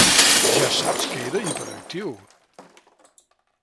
Ja saps que era hiperactiu!